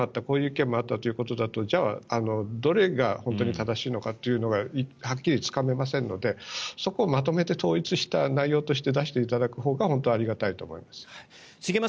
こういう意見もあったということだとじゃあ、どれが本当に正しいのかというのがはっきりつかめませんのでそこをまとめた統一した内容として出していただくほうが本当はありがたいと思います。